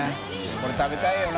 これ食べたいよな。